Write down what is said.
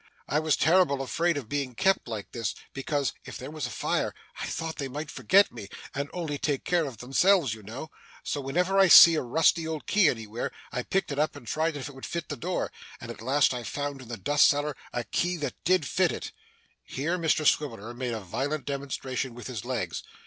I was terrible afraid of being kept like this, because if there was a fire, I thought they might forget me and only take care of themselves you know. So, whenever I see an old rusty key anywhere, I picked it up and tried if it would fit the door, and at last I found in the dust cellar a key that did fit it.' Here, Mr Swiveller made a violent demonstration with his legs.